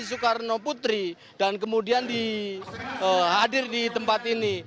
soekarno putri dan kemudian hadir di tempat ini